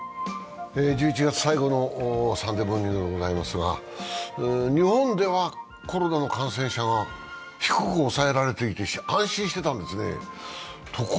１１月最後の「サンデーモーニング」でございますが日本ではコロナの感染者が低く抑えられていて安心していたんですね。